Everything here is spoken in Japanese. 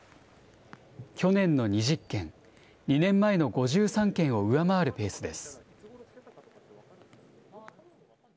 去年の２０件、２年前の５３件を上回るペースです。